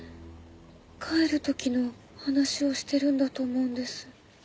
帰る時の話をしてるんだと思うんです。